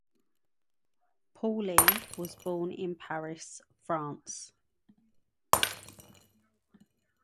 Pauly was born in Paris, France.